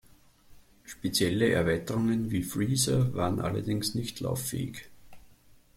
Spezielle Erweiterungen wie Freezer waren allerdings nicht lauffähig.